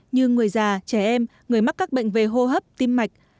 như người già trẻ em người mắc các bệnh về hô hấp tim mạch